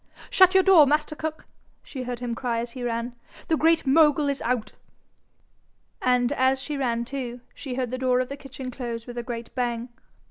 'Shut your door, master cook,' she heard him cry as he ran. 'The Great Mogul is out.' And as she ran too, she heard the door of the kitchen close with a great bang.